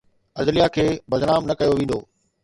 عدليه کي بدنام نه ڪيو ويندو.